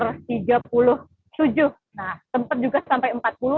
nah tempat juga sampai empat puluh empat puluh dua